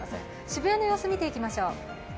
渋谷の様子見ていきましょう。